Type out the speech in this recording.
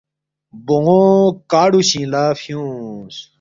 بون٘و کاڑُوشِنگ لہ فیُونگس